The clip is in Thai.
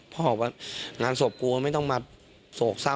บอกว่างานศพกลัวไม่ต้องมาโศกเศร้า